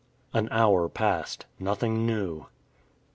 An hour passed. Nothing new.